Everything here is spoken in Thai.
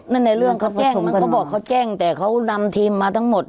ในเรื่องเขาแจ้งมันเขาบอกเขาแจ้งแต่เขานำทีมมาทั้งหมด